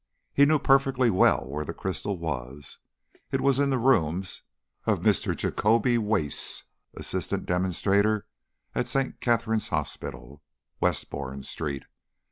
He knew perfectly well where the crystal was. It was in the rooms of Mr. Jacoby Wace, Assistant Demonstrator at St. Catherine's Hospital, Westbourne Street.